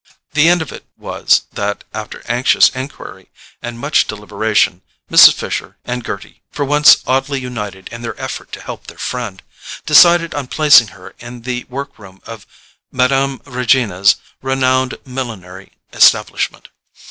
The end of it was that, after anxious enquiry and much deliberation, Mrs. Fisher and Gerty, for once oddly united in their effort to help their friend, decided on placing her in the work room of Mme. Regina's renowned millinery establishment.